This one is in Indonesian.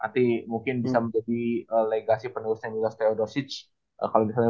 brazil begitu dominan hati mungkin bisa menjadi legasi penerusnya milos teodosic kalau misalnya